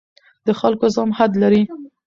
د خلکو زغم حد لري